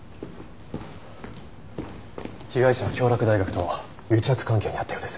被害者は京洛大学と癒着関係にあったようです。